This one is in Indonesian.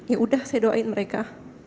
ya udah saya doain mereka